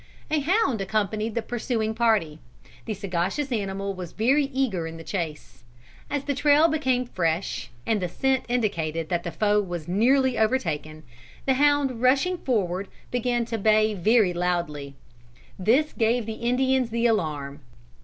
A hound accompanied the pursuing party. The sagacious animal was very eager in the chase. As the trail became fresh, and the scent indicated that the foe was nearly overtaken, the hound rushing forward, began to bay very loudly. This gave the Indians the alarm.